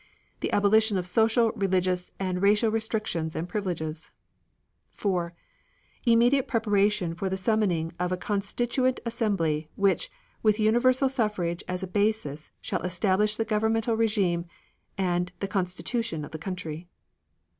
The abolition of social, religious, and racial restrictions and privileges. 4. Immediate preparation for the summoning of a Constituent Assembly, which, with universal suffrage as a basis, shall establish the governmental regime and the constitution of the country.